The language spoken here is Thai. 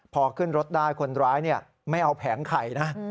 พอขึ้นรถได้คนร้ายไม่เอาแผงไข่นะ